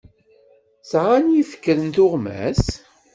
Sɛan yifekren tuɣmas?